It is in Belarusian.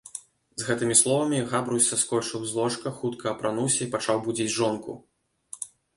З гэтымi словамi Габрусь саскочыў з ложка, хутка апрануўся i пачаў будзiць жонку.